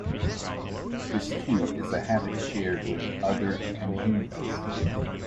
This, too, is a habit shared with the other anhingas.